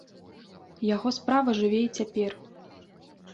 Яго справа жыве і цяпер.